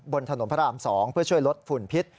บนถนนพระราม๒เพื่อช่วยลดฝุ่นพิษ